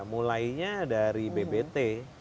mulainya dari bbt